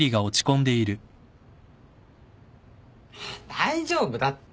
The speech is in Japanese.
大丈夫だって。